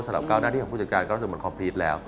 สำหรับก้าวหน้าที่ของผู้จัดการก็รู้สึกเหมือนคอพีชแล้ว